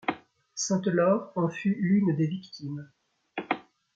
Sainte Laure en fut l'une des victimes.